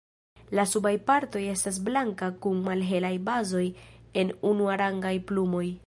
La subaj partoj estas blankaj kun malhelaj bazoj en unuarangaj plumoj.